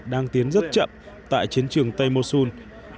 đang tiến rất chậm tại chiến trường tây mosul